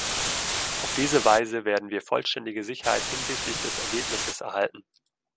Auf diese Weise werden wir vollständige Sicherheit hinsichtlich des Ergebnisses erhalten.